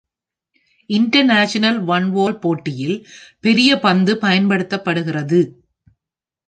International One Wall போட்டியில் பெரிய பந்து பயன்படுத்தப்படுகிறது.